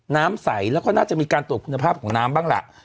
น้ำใสแล้วก็น่าจะมีการตรวจคุณภาพของน้ำบ้างล่ะ